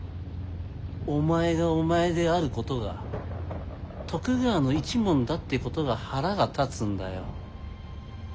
お前がお前であることが徳川の一門だってことが腹が立つんだよ。